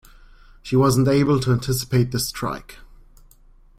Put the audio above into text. She wasn't able to anticipate the strike.